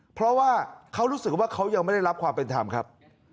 เพราะว่าเขารู้สึกว่าเขายังไม่ได้รับความเป็นธรรมครับ